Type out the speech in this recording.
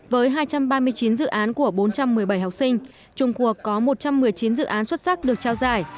với hai trăm ba mươi chín dự án của bốn trăm một mươi bảy học sinh trung cuộc có một trăm một mươi chín dự án xuất sắc được trao giải